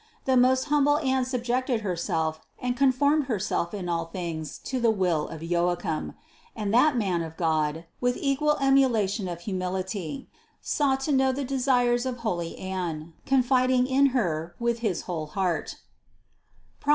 The most humble Anne subjected herself and conformed herself in all things to the will of Joachim : and that man of God, with equal emulation of humility, sought to know the desires of holy Anne, con fiding in her with his whole heart (Prov.